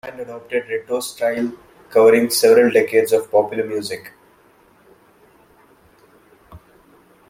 The band adopted retro styles covering several decades of popular music.